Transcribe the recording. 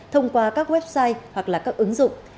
thông qua các website hoặc là các ứng dụng